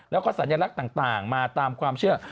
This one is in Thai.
แล้วก็สัญลักษณ์ต่างมาตามความเชื่อ